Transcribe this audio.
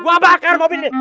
gua bakar mobil nih